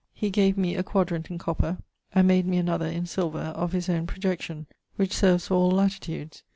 He gave me a quadrant in copper, and made me another in silver, of his owne projection, which serves for all latitudes.